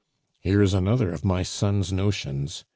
"Here is another of my son's notions!"